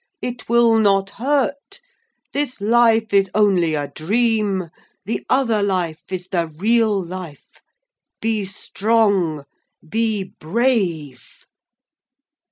It will not hurt. This life is only a dream; the other life is the real life. Be strong, be brave!'